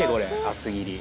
厚切り。